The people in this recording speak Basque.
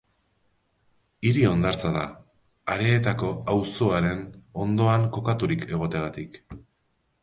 Hiri hondartza da, Areetako auzoaren ondoan kokaturik egoteagatik.